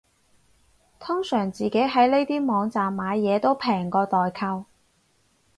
通常自己喺呢啲網站買嘢都平過代購